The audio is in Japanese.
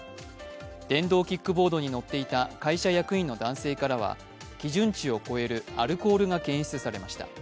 電動キックボードに乗っていた会社役員の男性からは基準値を超えるアルコールが検出されました。